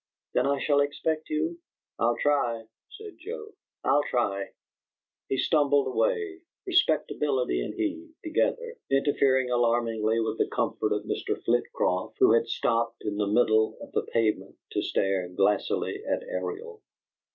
"Then I shall expect you?" "I'll try," said Joe. "I'll try." He stumbled away; Respectability and he, together, interfering alarmingly with the comfort of Mr. Flitcroft, who had stopped in the middle of the pavement to stare glassily at Ariel.